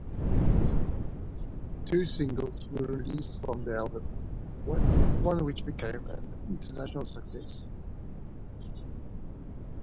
Two singles were released from the album, one which became an international success.